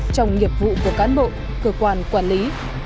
trong nghiệp vụ của cán bộ cơ quan quản lý